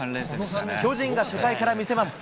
巨人が初回から見せます。